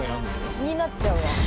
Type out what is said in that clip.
気になっちゃうわ。